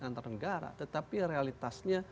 antar negara tetapi realitasnya